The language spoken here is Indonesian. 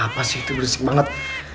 apa sih itu berisik banget